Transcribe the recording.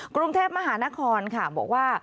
กรุงเทพมหานครค่ะบอกว่า